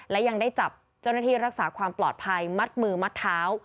และยังได้จับเจ้าหน้าที่รักษาความปลอดภัยมัดมือมัดเท้า